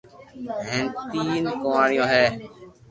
ھين تين ڪواريو ھي